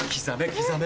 刻め。